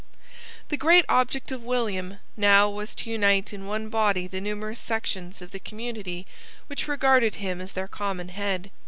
The great object of William now was to unite in one body the numerous sections of the community which regarded him as their common head.